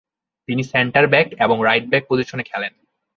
তিনি centre back এবং right back পজিশনে খেলেন।